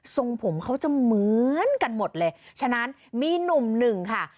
ทรงผมเขาจะเหมือนกันหมดเลยฉะนั้นมีหนุ่มหนึ่งค่ะ